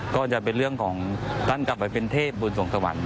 ก็จะเป็นเรื่องของท่านกลับไปเป็นเทพบุญสวงสวรรค์